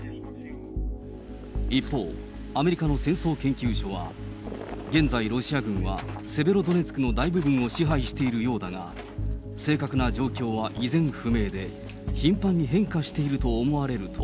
一方、アメリカの戦争研究所は現在、ロシア軍はセベロドネツクの大部分を支配しているようだが、正確な状況は依然不明で、頻繁に変化していると思われると、